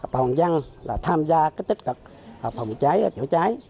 nhân dân là tham gia cái tích cực phòng cháy chữa cháy